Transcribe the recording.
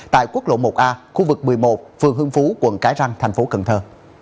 tại quốc lộ một a khu vực một mươi một phường hương phú quận cái răng thành phố cần thơ